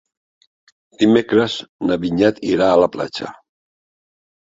Dimecres na Vinyet irà a la platja.